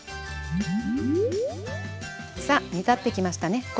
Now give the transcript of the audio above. さあ煮立ってきましたね。